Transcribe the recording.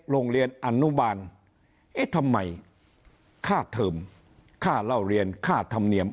โรงเรียนอนุบาลเอ๊ะทำไมค่าเทอมค่าเล่าเรียนค่าธรรมเนียม